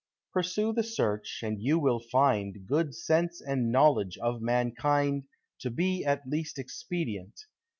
Pursue the search, and you will find Good sense and knowledge of mankind To be at least expedient.